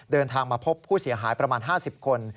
เดินทางมาพบผู้เสียหายประมาณ๕๐คน